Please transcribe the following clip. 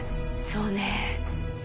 そうね。